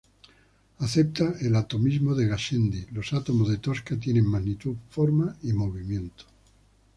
Acepta el atomismo de Gassendi: los átomos de Tosca tienen magnitud, forma y movimiento.